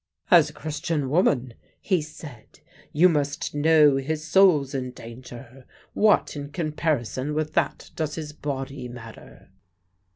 "As a Christian woman," he said, "you must know his soul's in danger. What in comparison with that does his body matter?"